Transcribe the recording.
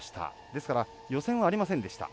ですから予選はありませんでした。